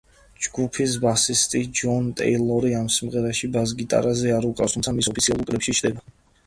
ჯგუფის ბასისტი ჯონ ტეილორი ამ სიმღერაში ბას-გიტარაზე არ უკრავს, თუმცა მის ოფიციალურ კლიპში ჩნდება.